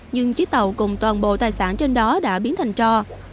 nhưng chiếc tàu cùng toàn bộ tài sản trên đó đã biến thành to